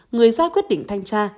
người ra quyết định thanh tra